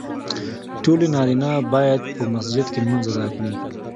ټولو نارینه باید په مسجد کې لمونځ ادا کړي .